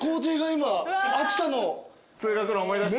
通学路思い出した？